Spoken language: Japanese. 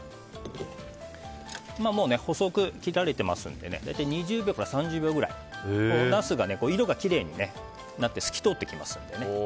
もう細く切られていますので大体２０秒から３０秒ぐらいナスが色がきれいになって透き通ってきますので。